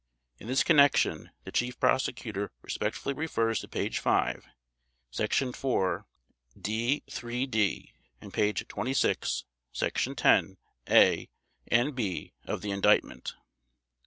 In this connection the Chief Prosecutor respectfully refers to Page 5, Section IV(D)(3)(d) and page 26 Section X(A) and (B) of the Indictment.